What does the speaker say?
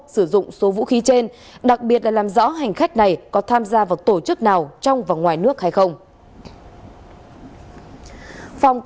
sử dụng số vũ khí trên đặc biệt là làm rõ hành khách này có tham gia vào tổ chức nào trong và ngoài nước hay không